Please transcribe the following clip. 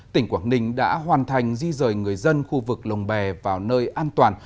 tỉnh quảng ninh đã hoàn thành di rời người dân khu vực lồng bè vào nơi an toàn